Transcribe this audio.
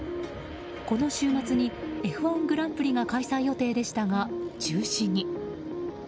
この週末にＦ１グランプリが開催予定でしたが中止に。